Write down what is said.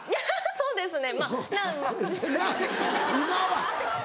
そうですね。